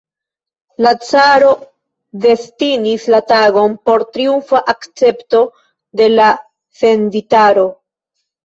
La caro destinis la tagon por triumfa akcepto de la senditaro.